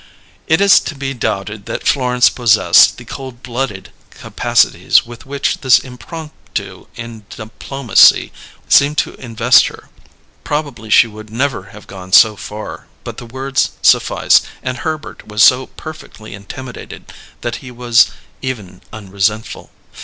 It is to be doubted that Florence possessed the cold blooded capacities with which this impromptu in diplomacy seemed to invest her: probably she would never have gone so far. But the words sufficed; and Herbert was so perfectly intimidated that he was even unresentful.